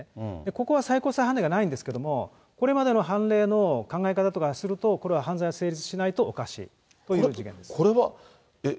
ここは最高裁判例がないんですけれども、これまでの判例の考え方からすると、これは犯罪成立しないとおかしい、これは、えっ？